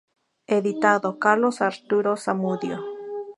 Editado: Carlos Arturo Zamudio